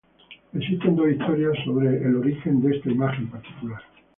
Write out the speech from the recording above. Existen dos historias acerca del origen de esta imagen particular.